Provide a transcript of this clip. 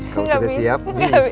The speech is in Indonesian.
kamu sudah siap